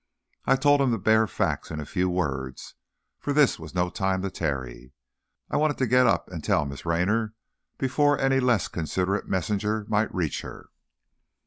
I told him the bare facts in a few words, for this was no time to tarry, I wanted to get up and tell Miss Raynor before any less considerate messenger might reach her.